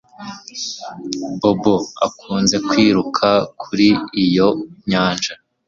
bob akunze kwiruka kuri iyo nyanja